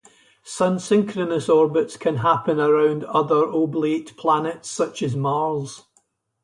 Sun-synchronous orbits can happen around other oblate planets, such as Mars.